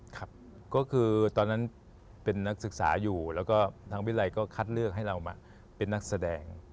ครับก็คือตอนนั้นเป็นนักศึกษาอยู่แล้วก็ทางวิรัยก็คัดเลือกให้เรามาเป็นนักแสดง